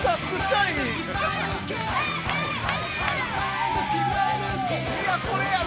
いや、これやな！